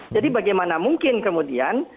jadi bagaimana mungkin kemudian